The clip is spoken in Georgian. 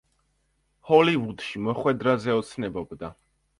ჰოლივუდში მოხვედრაზე ოცნებობდა.